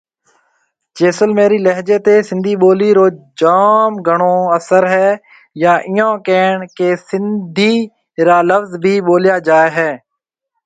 جيسلميري لهجي تي سنڌي ٻولي رو جام گھڻو اسر هيَ يان ايئيون ڪيڻ ڪي سنڌي را لڦز بهيَ ٻوليا جائي هيَ۔